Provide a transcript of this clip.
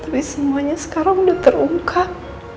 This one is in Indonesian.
tapi semuanya sekarang sudah terungkap